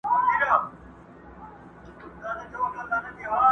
ما د سمسوره باغه واخیسته لاسونه!